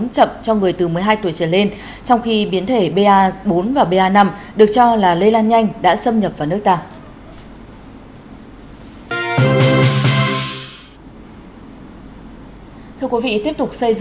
chậm cho người từ một mươi hai tuổi trở lên trong khi biến thể ba bốn và ba năm được cho là lây lan nhanh đã xâm nhập vào nước ta